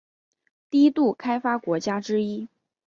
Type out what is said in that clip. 低度开发国家之一。